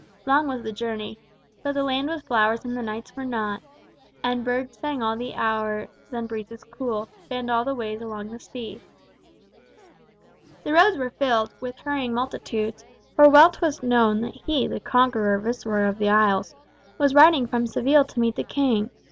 Long was the journey, But the land was flowers and the nights were not, And birds sang all the hours, and breezes cool Fanned all the ways along the sea. The roads were filled With hurrying multitudes. For well 'twas known That he, the conqueror, viceroy of the isles, Was riding from Seville to meet the king.